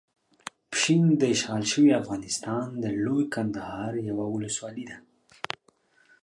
پشین داشغال شوي افغانستان د لويې کندهار یوه ولسوالۍ ده.